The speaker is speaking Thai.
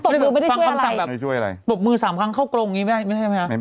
งั้นตบมือไม่ได้ช่วยอะไรตบมือ๓ครั้งเข้ากรงอย่างนี้ไม่ใช่ไหมครับ